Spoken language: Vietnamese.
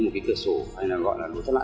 một cái cửa sổ hay là gọi là lỗ chất lạn